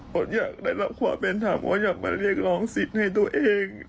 ผมอยากได้รับความเป็นธรรมเพราะอยากมาเรียกร้องสิทธิ์ให้ตัวเอง